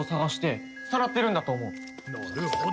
なるほど！